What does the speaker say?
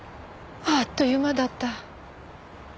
あっという間だった。